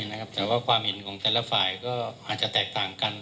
แต่ว่าความเห็นของแต่ละฝ่ายก็อาจจะแตกต่างกัน